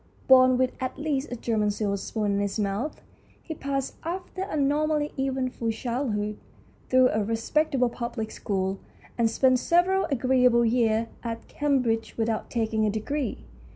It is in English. Born with at least a German silver spoon in his mouth, he passed, after a normally eventful childhood, through a respectable public school, and spent several agreeable years at Cam bridge without taking a degree.